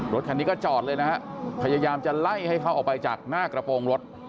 รถคันนี้ก็จอดเลยนะฮะพยายามจะไล่ให้เขาออกไปจากหน้ากระโปรงรถ